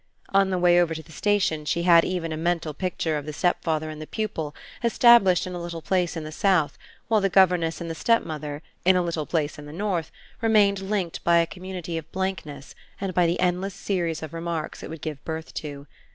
On the way over to the station she had even a mental picture of the stepfather and the pupil established in a little place in the South while the governess and the stepmother, in a little place in the North, remained linked by a community of blankness and by the endless series of remarks it would give birth to.